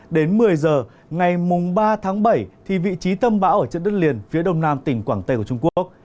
đến một mươi giờ ngày ba tháng bảy vị trí tâm bão ở trên đất liền phía đông nam tỉnh quảng tây của trung quốc